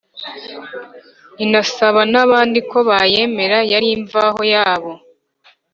inasaba n’abandi ko bayemera. yari imvaho yabo